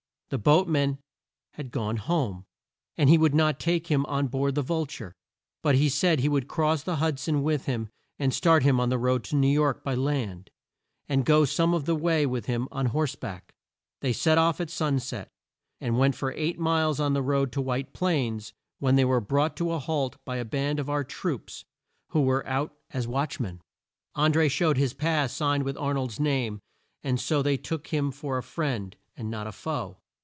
The boat men had gone home, and he would not take him on board the Vul ture. But he said he would cross the Hud son with him and start him on the road to New York by land, and go some of the way with him on horse back. They set off at sun set, and went for eight miles on the road to White Plains when they were brought to a halt by a band of our troops who were out as watch men. An dré showed his pass signed with Ar nold's name, and so they took him for a friend and not a foe.